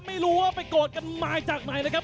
ไม่รู้ว่าไปโกรธกันมาจากไหนนะครับ